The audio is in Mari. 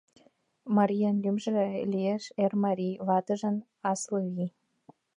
Марийын лӱмжӧ лиеш Эрмарий, ватыжын — Асылвий.